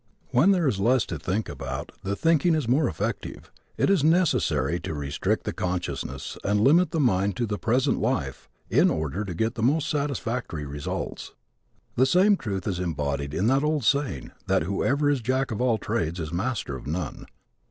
When there is less to think about the thinking is more effective. It is necessary to restrict the consciousness and limit the mind to the present life in order to get the most satisfactory results. The same truth is embodied in that old saying that whoever is jack of all trades is master of none.